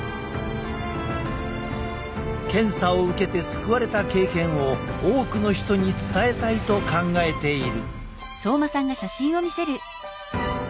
検査を受けて救われた経験を多くの人に伝えたいと考えている。